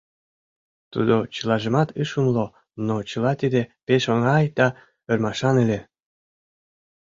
Тудо чылажымат ыш умыло, но чыла тиде пеш оҥай да ӧрмашан ыле.